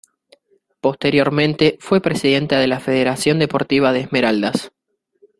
Posteriormente fue presidenta de la Federación Deportiva de Esmeraldas.